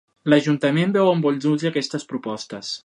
L'Ajuntament veu amb bons ulls aquestes propostes.